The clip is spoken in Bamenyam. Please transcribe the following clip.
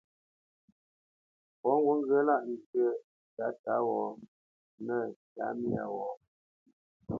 Pɔ̌ ŋgǔt ŋgyə̌ lâʼ njyə́ tǎtǎ wɔ̌ nə̂ tǎmyā wɔ̌.